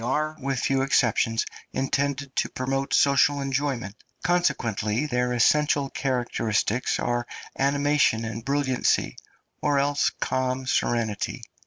They were, with few exceptions, intended to promote social enjoyment; consequently their essential characteristics are animation and brilliancy, or else calm serenity.